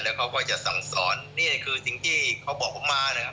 แล้วเขาก็จะสั่งสอนนี่คือสิ่งที่เขาบอกผมมานะครับ